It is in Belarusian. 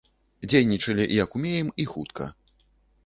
Дзейнічалі як ўмеем і хутка.